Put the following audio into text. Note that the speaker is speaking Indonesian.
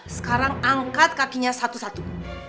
sekarang angkat kakinya satu satu